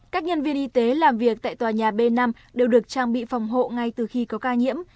các nhân viên y tế làm việc tại tòa nhà b năm đều được trang bị phòng hộ ngay từ khi có ca nhiễm